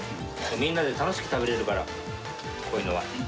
みんなで楽しく食べれるから、こういうのは。